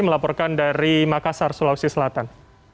melaporkan dari makassar sulawesi selatan